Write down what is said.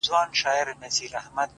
كله.!كله يې ديدن ته ليونى سم.!